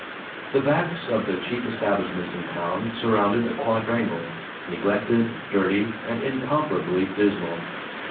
The backs of the chief establishments in town surrounded a quadrangle neglected, dirty, and incomparably dismal.